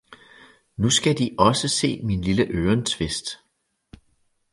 Nu skal De også se min lille ørentvist!